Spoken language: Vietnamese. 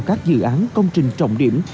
các dự án công trình trọng điểm